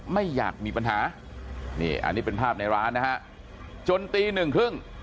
ไม่อยากมีปัญหานี่อันนี้เป็นภาพในร้านนะฮะจนตีหนึ่งครึ่ง